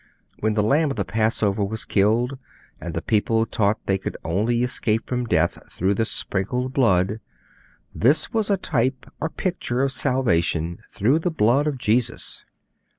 When the Lamb of the Passover was killed, and the people taught they could only escape from death through the sprinkled blood, this was a type or picture of Salvation through the Blood of Jesus.